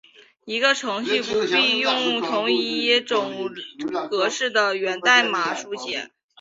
一个程序不必用同一种格式的源代码书写。